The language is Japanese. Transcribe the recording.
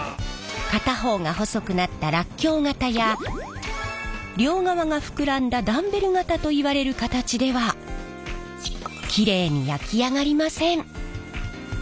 片方が細くなったらっきょう型や両側が膨らんだダンベル型といわれる形ではきれいに焼き上がりません。